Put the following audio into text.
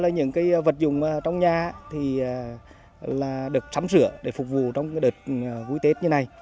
những vật dùng trong nhà được sắm sửa để phục vụ trong đợt cuối tết như này